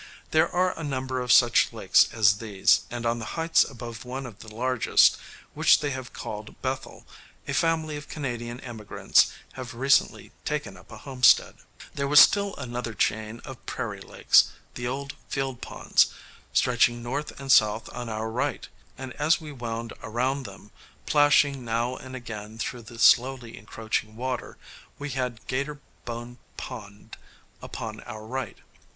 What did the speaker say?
There are a number of such lakes as these, and on the heights above one of the largest, which they have called Bethel, a family of Canadian emigrants have recently "taken up a homestead." There was still another chain of prairie lakes, the "Old Field Ponds," stretching north and south on our right, and as we wound around them, plashing now and again through the slowly encroaching water, we had 'Gator bone Pond upon our right.